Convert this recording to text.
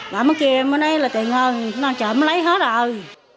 bảo mấy kia em mới nói là tiền thôi nó trộm lấy hết rồi